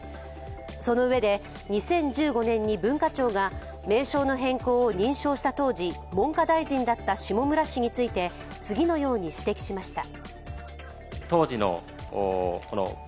そのうえで２０１５年に文化庁が名称の変更を認証した当時、文科大臣だった下村氏について次のように指摘しました。